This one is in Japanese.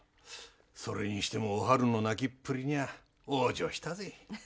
それにしてもおはるの泣きっぷりには往生したぜ。